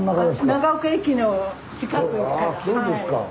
長岡駅の近くから。